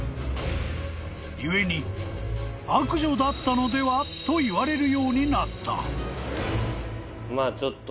［故に悪女だったのでは？といわれるようになった］